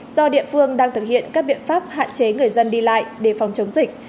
do địa phương đang thực hiện các biện pháp hạn chế người dân đi lại để phòng chống dịch